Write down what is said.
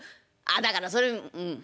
あだからそれうん。